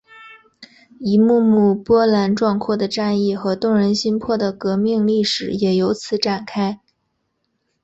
一幕幕波澜壮阔的战役和动人心魄的革命历史也由此展开。